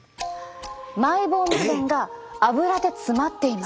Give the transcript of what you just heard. マイボーム腺がアブラで詰まっています。